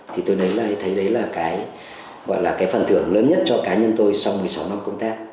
thì tôi thấy đấy là cái phần thưởng lớn nhất cho cá nhân tôi sau một mươi sáu năm công tác